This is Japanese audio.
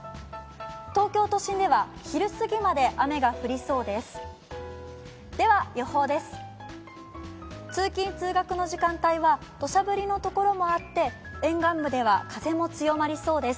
東京都心では昼過ぎまで雨が降りそうです。